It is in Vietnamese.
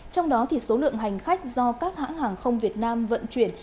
trong đó số lượng hành khách do các hãng hàng không việt nam vận chuyển